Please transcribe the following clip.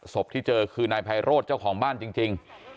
ที่เจอคือนายไพโรธเจ้าของบ้านจริง